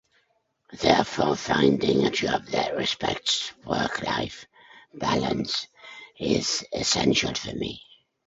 Therefore, finding a job that respects work-life balance is essential for me.